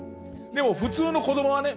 でも普通の子どもはね